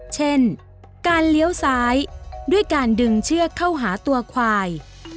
เช่นการเลี้ยวซ้ายด้วยการดึงเชือกเข้าหาตัวควาย